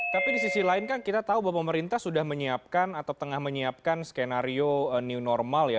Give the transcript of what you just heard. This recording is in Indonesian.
tapi di sisi lain kan kita tahu bahwa pemerintah sudah menyiapkan atau tengah menyiapkan skenario new normal ya